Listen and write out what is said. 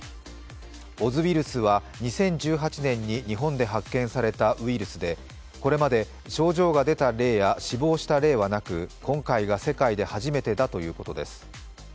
オズウイルスは２０１８年に日本で発見されたウイルスでこれまで症状が出た例や死亡した例はなく今回が世界で初めてだということです。